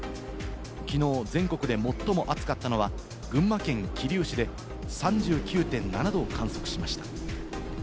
きのう全国で最も暑かったのは群馬県桐生市で３９．７度を観測しました。